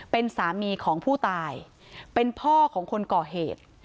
เป็นสามีของผู้ตายเป็นพ่อของคนก่อเหตุ